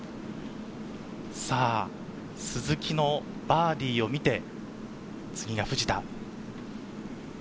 鈴木のバーディーを見て、次は藤田。